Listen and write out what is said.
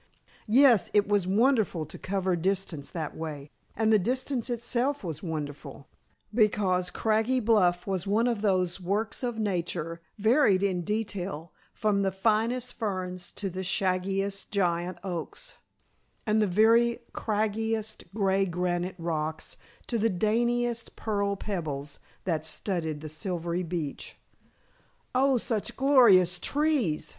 Yes, it was wonderful to cover distance that way, and the distance itself was wonderful, because Craggy Bluff was one of those works of Nature varied in detail from the finest ferns to the shaggiest giant oaks, and the very craggiest gray granite rocks to the daintiest pearl pebbles that studded the silvery beach. "Oh, such glorious trees!"